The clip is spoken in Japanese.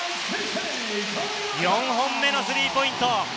４本目のスリーポイント！